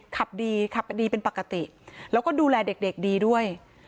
ขับดีขับดีเป็นปกติแล้วก็ดูแลเด็กดีด้วย